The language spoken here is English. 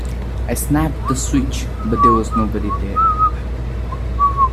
I snapped the switch, but there was nobody there.